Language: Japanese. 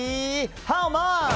ハウマッチ。